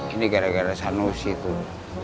ini gara gara sanusi tuh